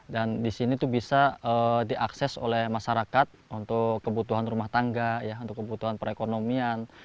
dan di sini itu bisa diakses oleh masyarakat untuk kebutuhan rumah tangga untuk kebutuhan perekonomian